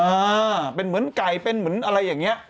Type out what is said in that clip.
อ่าเป็นเหมือนไก่เป็นเหมือนอะไรอย่างนี้